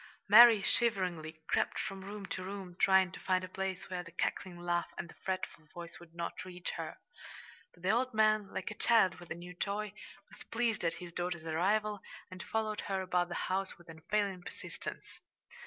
Mary, shiveringly, crept from room to room, trying to find a place where the cackling laugh and the fretful voice would not reach her. But the old man, like a child with a new toy, was pleased at his daughter's arrival, and followed her about the house with unfailing persistence.